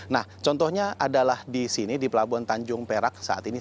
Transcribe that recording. nah contohnya adalah di sini di pelabuhan tanjung perak saat ini